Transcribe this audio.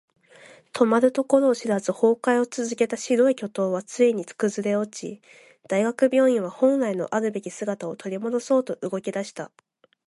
止まるところを知らず崩壊を続けた白い巨塔はついに崩れ落ち、大学病院は本来のあるべき姿を取り戻そうと動き出した。